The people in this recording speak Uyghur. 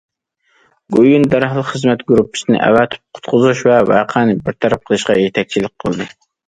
گوۋۇيۈەن دەرھال خىزمەت گۇرۇپپىسى ئەۋەتىپ قۇتقۇزۇش ۋە ۋەقەنى بىر تەرەپ قىلىشقا يېتەكچىلىك قىلدى.